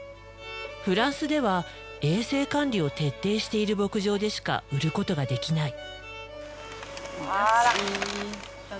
フランスでは衛生管理を徹底している牧場でしか売ることができない。